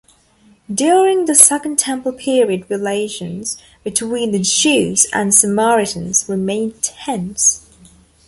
During the second Temple period relations between the Jews and Samaritans remained tense.